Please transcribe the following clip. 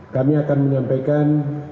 kami akan menyampaikan